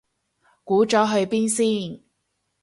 估咗去邊先